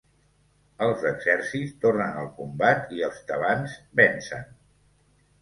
Els exèrcits tornen al combat i els tebans vencen.